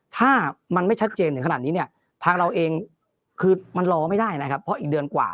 ถ้ามันไม่ชัดเจนถึงขนาดนี้เนี่ยทางเราเองคือมันรอไม่ได้นะครับเพราะอีกเดือนกว่า